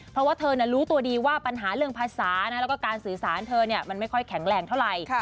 เพราะว่าเธอรู้ตัวดีว่าปัญหาเรื่องภาษาแล้วก็การสื่อสารเธอมันไม่ค่อยแข็งแรงเท่าไหร่